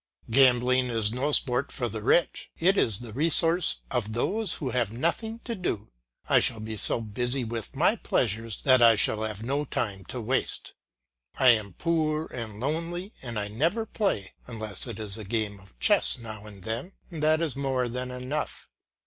Gambling is no sport for the rich, it is the resource of those who have nothing to do; I shall be so busy with my pleasures that I shall have no time to waste. I am poor and lonely and I never play, unless it is a game of chess now and then, and that is more than enough.